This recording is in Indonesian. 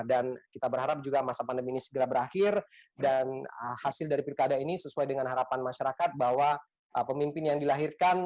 dan kita berharap juga masa pandemi ini segera berakhir dan hasil dari pilkada ini sesuai dengan harapan masyarakat bahwa pemimpin yang dilahirkan